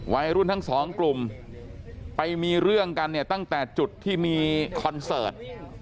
วัยรุ่นทั้งสองกลุ่มไปมีเรื่องกันเนี่ยตั้งแต่จุดที่มีคอนเสิร์ต